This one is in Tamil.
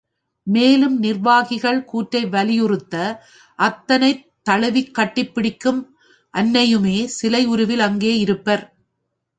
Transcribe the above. மேலும் நிர்வாகிகள் கூற்றை வலியுறுத்த, அத்தனைத் தழுவிக் கட்டிப்பிடிக்கும் அன்னையுமே சிலை உருவில் அங்கே இருப்பர்.